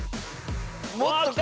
もっとか。